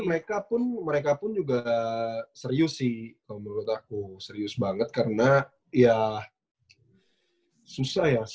karena mereka pun juga serius sih menurut aku serius banget karena ya susah ya